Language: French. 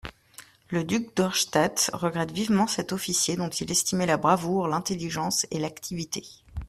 Le duc d'Auerstaedt regrette vivement cet officier, dont il estimait la bravoure, l'intelligence et l'activité.